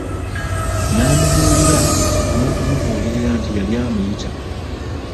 N'amubulira n'okumubuulira nti yali amuyita.